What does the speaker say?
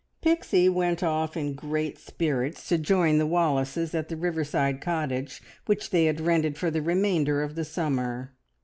Pixie went off in great spirits to join the Wallaces at the riverside cottage which they had rented for the remainder of the summer.